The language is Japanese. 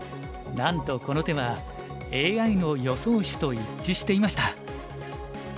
なんとこの手はＡＩの予想手と一致していました。